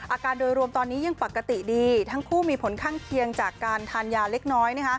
อาการโดยรวมตอนนี้ยังปกติดีทั้งคู่มีผลข้างเคียงจากการทานยาเล็กน้อย